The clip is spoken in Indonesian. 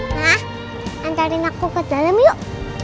nah antarin aku ke dalam yuk